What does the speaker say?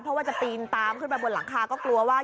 เพราะว่าจะปีนตามขึ้นไปบนหลังคาก็กลัวว่า